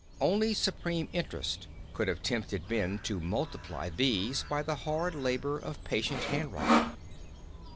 Only supreme interest could have tempted men to multiply these by the hard labor of patient handwriting.